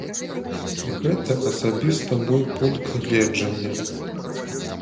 Гэта асабіста мой пункт гледжання.